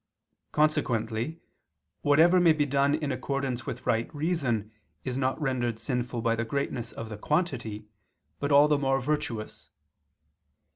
Consequently whatever may be done in accordance with right reason is not rendered sinful by the greatness of the quantity, but all the more virtuous.